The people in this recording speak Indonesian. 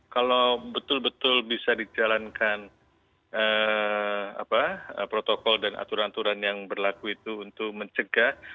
kalau betul betul bisa dijalankan protokol dan aturan aturan yang berlaku itu untuk mencegah